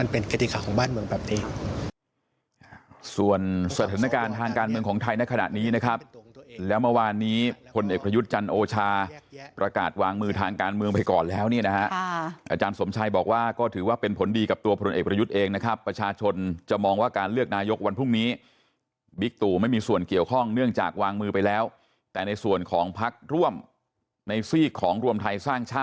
เพราะมันเป็นกฎิกาของบ้านเมืองแบบนี้